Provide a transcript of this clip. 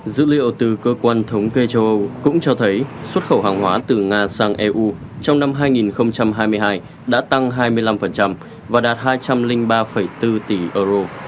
dữ liệu từ cơ quan thống kê châu âu cũng cho thấy xuất khẩu hàng hóa từ nga sang eu trong năm hai nghìn hai mươi hai đã tăng hai mươi năm và đạt hai trăm linh ba bốn tỷ euro